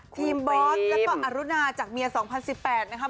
บอสแล้วก็อรุณาจากเมีย๒๐๑๘นะครับ